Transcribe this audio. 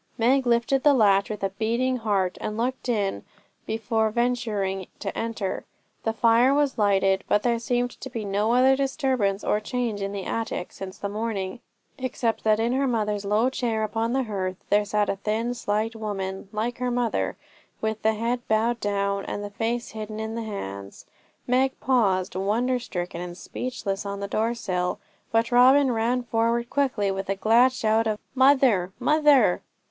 Meg lifted the latch with a beating heart, and looked in before venturing to enter. The fire was lighted, but there seemed to be no other disturbance or change in the attic since the morning, except that in her mother's low chair upon the hearth there sat a thin slight woman, like her mother, with the head bowed down, and the face hidden in the hands. Meg paused, wonder stricken and speechless, on the door sill; but Robin ran forward quickly, with a glad shout of 'Mother! mother!'